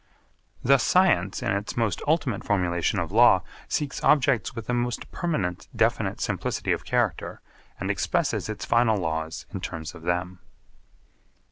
Thus science in its most ultimate formulation of law seeks objects with the most permanent definite simplicity of character and expresses its final laws in terms of them.